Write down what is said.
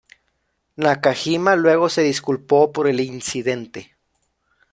Nakajima luego se disculpó por el incidente.